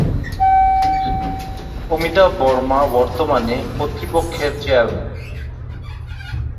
অমিতাভ বর্মা বর্তমানে কর্তৃপক্ষের চেয়ারম্যান।